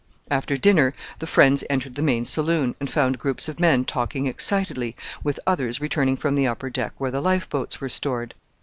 After dinner the friends entered the main saloon, and found groups of men talking excitedly, with others returning from the upper deck where the life boats were stored.